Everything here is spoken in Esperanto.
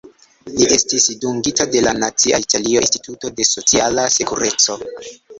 Li estis dungita de la Nacia Italia Instituto de Sociala Sekureco.